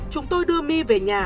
chúng tôi đưa my về nhà